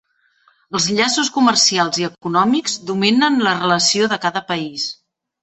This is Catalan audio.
Els llaços comercials i econòmics dominen la relació de cada país.